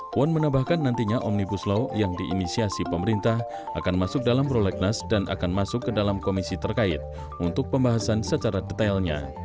puan menambahkan nantinya omnibus law yang diinisiasi pemerintah akan masuk dalam prolegnas dan akan masuk ke dalam komisi terkait untuk pembahasan secara detailnya